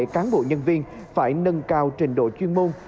cán bộ nhân viên phải nâng cao trình độ chuyên môn